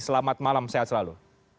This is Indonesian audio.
selamat malam sehat selalu